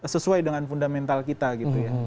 sesuai dengan fundamental kita gitu ya